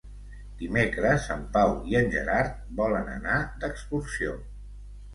Dimecres en Pau i en Gerard volen anar d'excursió.